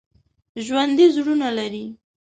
ژوندي زړونه لري